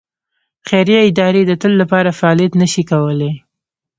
خیریه ادارې د تل لپاره فعالیت نه شي کولای.